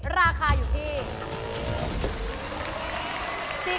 ราคาอยู่ที่